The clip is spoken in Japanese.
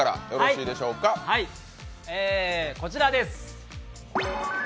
こちらです！